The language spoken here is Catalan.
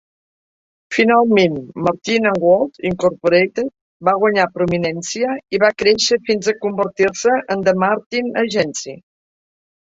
Finalment Martin and Woltz Incorporated va guanyar prominència i va créixer fins a convertir-se en The Martin Agency.